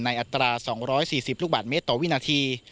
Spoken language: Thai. อัตรา๒๔๐ลูกบาทเมตรต่อวินาที